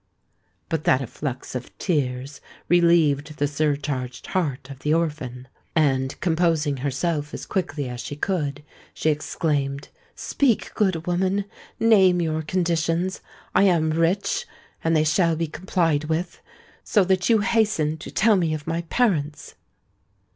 But that efflux of tears relieved the surcharged heart of the orphan; and, composing herself as quickly as she could, she exclaimed, "Speak, good woman—name your conditions: I am rich—and they shall be complied with,—so that you hasten to tell me of my parents!"